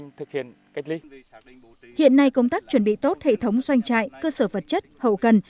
hiện nay công tác chuẩn bị tốt hệ thống doanh trại cơ sở vật chất hậu cần